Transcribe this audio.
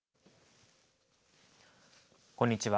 こんにちは。